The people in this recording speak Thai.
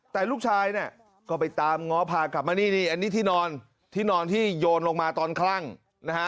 แต่ลูกชายเนี่ยก็ไปตามง้อพากลับมานี่นี่อันนี้ที่นอนที่นอนที่โยนลงมาตอนคลั่งนะฮะ